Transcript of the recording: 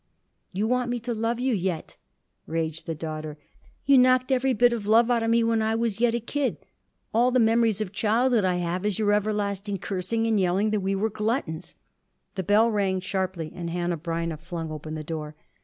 "You want me to love you yet?" raged the daughter. "You knocked every bit of love out of me when I was yet a kid. All the memories of childhood I have is your everlasting cursing and yelling that we were gluttons." The bell rang sharply, and Hanneh Breineh flung open the door.